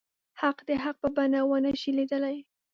حق د حق په بڼه ونه شي ليدلی.